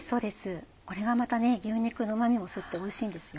これがまた牛肉のうま味も吸っておいしいんですよ。